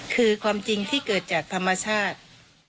คือความจริงที่เกิดจากธรรมชาติ